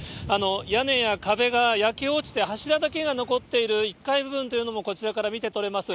屋根や壁が焼け落ちて、柱だけが残っている１階部分というのも、こちらから見てとれます。